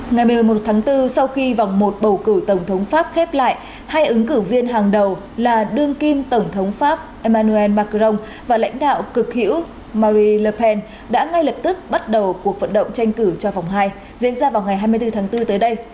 ngày một mươi một tháng bốn sau khi vòng một bầu cử tổng thống pháp khép lại hai ứng cử viên hàng đầu là đương kim tổng thống pháp emmanuel macron và lãnh đạo cực hữu marie pen đã ngay lập tức bắt đầu cuộc vận động tranh cử cho vòng hai diễn ra vào ngày hai mươi bốn tháng bốn tới đây